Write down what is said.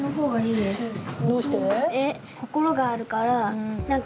どうして？